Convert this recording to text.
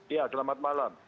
iya selamat malam